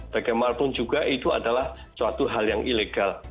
bagaimanapun juga itu adalah suatu hal yang ilegal